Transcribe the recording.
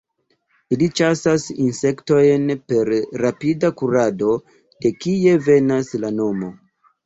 Ili ĉasas insektojn per rapida kurado de kie venas la nomo.